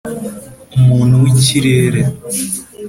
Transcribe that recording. umuntu w’ikirere.